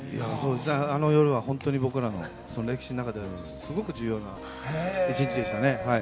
あの夜は本当に僕らの歴史の中ですごく重要な一日でしたね。